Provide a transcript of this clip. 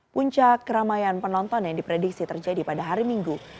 puncak keramaian penonton yang diprediksi terjadi pada hari minggu